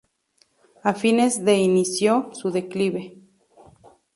A fines de inició su declive.